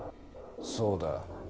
そうだ。